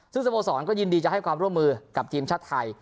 ซึ่งสโมสรก็ยินดีจะให้ความร่วมมือกับทีมชาติไทย